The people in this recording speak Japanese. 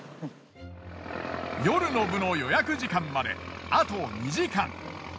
夜の部の予約時間まであと２時間。